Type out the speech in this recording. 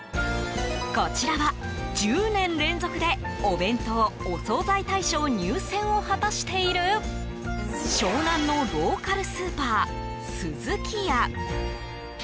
こちらは、１０年連続でお弁当・お惣菜大賞入選を果たしている湘南のローカルスーパースズキヤ。